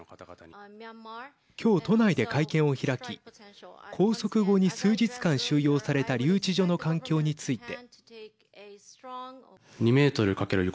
今日、都内で会見を開き拘束後に数日間、収容された留置所の環境について。